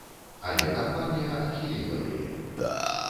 Але кампанія адхіліла яе.